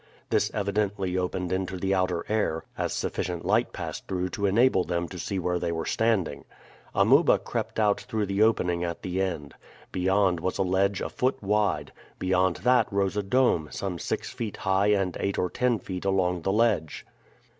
This evidently opened into the outer air, as sufficient light passed through to enable them to see where they were standing. Amuba crept out through the opening at the end. Beyond was a ledge a foot wide; beyond that rose a dome some six feet high and eight or ten feet along the ledge.